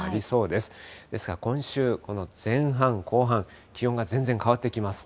ですから、今週この前半、後半、気温が全然変わってきます。